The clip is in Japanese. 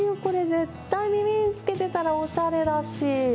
絶対に耳に着けてたらおしゃれだし。